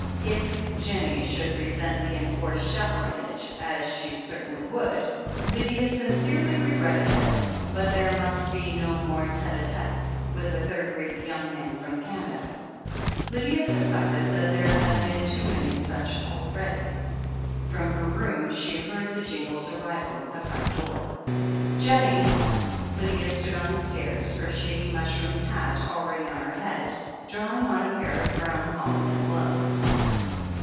If Jennie should resent the enforced chaperonage, as she certainly would, Lydia sincerely regretted it — ^but 388 THE HEEL OF ACHILLES there must be no more tite d tetes with third rate young men from Canada. Lydia suspected that there had been too many such already. From her room she heard the jingle's arrival at the front door. "Jennie!" Lydia stood on the stairs, her shady mushroom hat already on her head, drawing on a pair of brown gaunt let gloves.